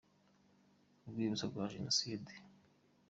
ku rwibutso rwa Jenoside.